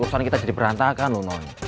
soalnya kita jadi berantakan loh non